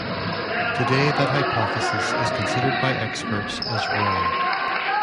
Today that hypothesis is considered by experts as wrong.